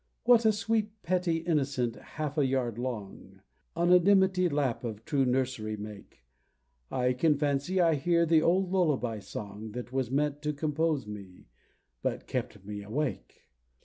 What a sweet pretty innocent, half a yard long, On a dimity lap of true nursery make! I can fancy I hear the old lullaby song That was meant to compose me, but kept me awake.